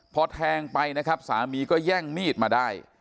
พอแทงไปสามีก็แย่งมีดมาได้